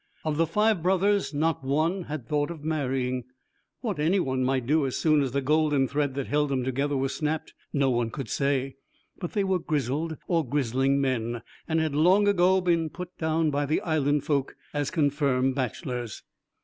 Of the five brothers not one had thought of marrying. What any one might do as soon as the golden thread that held them together was snapped no one could say; but they were grizzled or grizzling men, and had long ago been put down by the Island folk as confirmed bachelors.